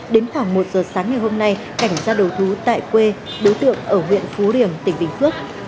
đến khoảng một giờ sáng ngày hôm nay cảnh ra đầu thú tại quê đối tượng ở huyện phú riềng tỉnh bình phước